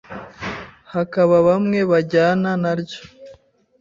hakaba bamwe bajyana naryo,